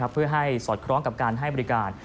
เพื่อให้สอดคล้องกับการให้บริการ